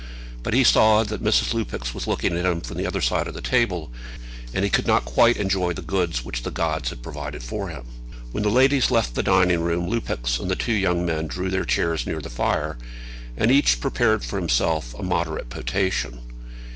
But he saw that Mrs. Lupex was looking at him from the other side of the table, and he could not quite enjoy the goods which the gods had provided for him. When the ladies left the dining room Lupex and the two young men drew their chairs near the fire, and each prepared for himself a moderate potation.